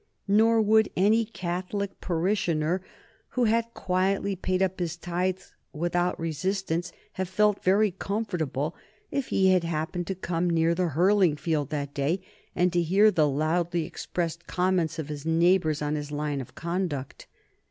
Nor would any Catholic parishioner who had quietly paid up his tithes without resistance have felt very comfortable if he had happened to come near the hurling field that day, and to hear the loudly expressed comments of his neighbors on his line of conduct.